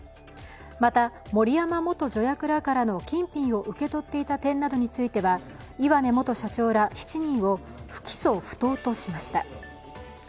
また森山元助役らからの金品を受け取っていた点などについては岩根元社長らを７人を不起訴不当としました。